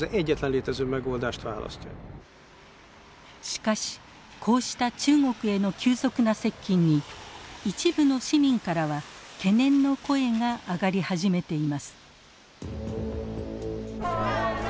しかしこうした中国への急速な接近に一部の市民からは懸念の声が上がり始めています。